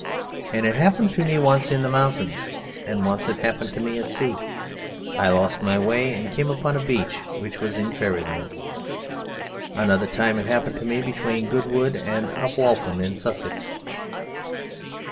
And it happened to me once in the mountains and once it happened to me at sea. I lost my way and came upon a beach which was in Fairyland. Another time it happened to me between Goodwood and Upwaltham in Sussex."